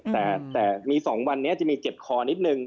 แต่มี๒วันนี้จะมีเจ็บคอนิดนึง